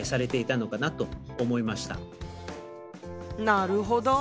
なるほど。